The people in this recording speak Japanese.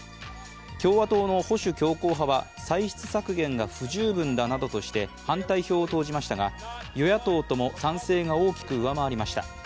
共和党の保守強硬派は歳出削減が不十分だなどとして反対票を投じましたが与野党とも賛成が大きく上回りました。